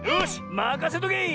まかせとけ！